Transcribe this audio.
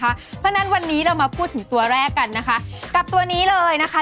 เพราะฉะนั้นวันนี้เรามาพูดถึงตัวแรกกันนะคะกับตัวนี้เลยนะคะ